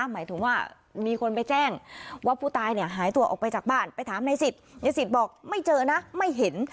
หมายถึงว่ามีคนไปแจ้งว่าผู้ตายเนี่ยหายตัวออกไปจากบ้านไปถามในสิทธิ์ในสิทธิ์บอกไม่เจอนะไม่เห็น